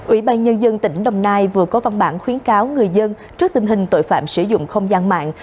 ủy ban nhân dân tỉnh đồng nai vừa có văn bản khuyến cáo người dân trước tình hình tội phạm sử dụng không gian mạng